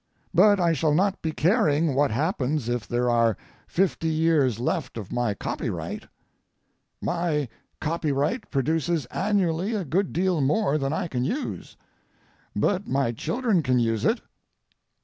But I shall not be caring what happens if there are fifty years left of my copyright. My copyright produces annually a good deal more than I can use, but my children can use it.